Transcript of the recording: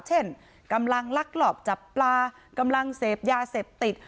เช่นกำลังลักลอบจับปลากำลังเสพยาเสพติด